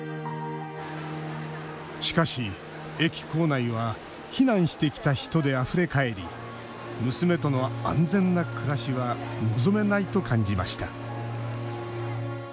しかし、駅構内は避難してきた人であふれ返り娘との安全な暮らしは望めないと感じました。